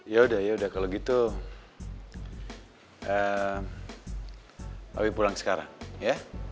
ya udah ya udah kalau gitu tapi pulang sekarang ya